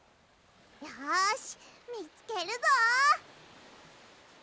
よしみつけるぞ！